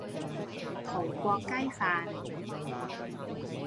葡國雞飯